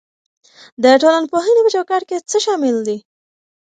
د ټولنپوهنې په چوکاټ کې څه شامل دي؟